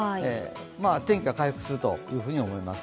天気が回復するというふうに思います。